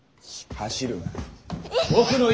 走るな。